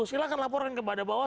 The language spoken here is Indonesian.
silahkan laporkan kepada bawaslu